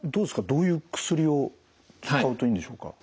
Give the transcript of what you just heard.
どういう薬を使うといいんでしょうか？